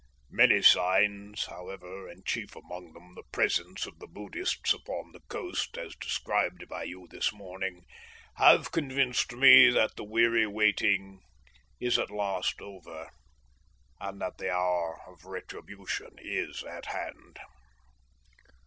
Many signs, however, and chief among them the presence of the Buddhists upon the coast as described by you this morning, have convinced me that the weary waiting is at last over and that the hour of retribution is at hand.